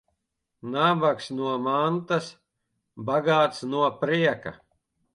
Nabags no mantas, bagāts no prieka.